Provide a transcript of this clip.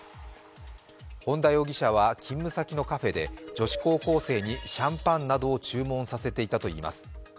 本田容疑者は勤務先のカフェで女子高校生にシャンパンなどを注文させていたといいます。